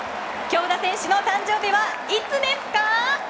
京田選手の誕生日はいつですか？